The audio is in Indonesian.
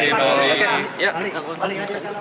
terima kasih pak wali